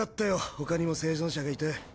ほかにも生存者がいて。